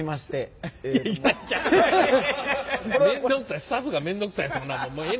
スタッフがめんどくさいそんなもん。